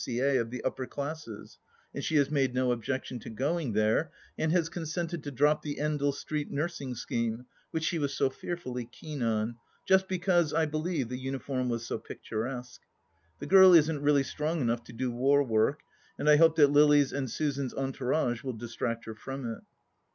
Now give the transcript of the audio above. C.A. of the Upper Classes, and she has made no objection to going there, and has consented to drop the Endell Street Nursing Scheme, which she was fearfully keen on, just be cause, I believe, the imiform was so picturesque. ... The girl isn't really strong enough to do war work, and I hope that Lily's and Susan's entourage will distract her from it.